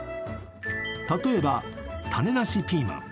例えば、種なしピーマン。